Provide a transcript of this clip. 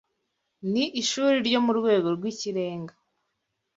Ni ishuri ryo mu rwego rw’ikirenga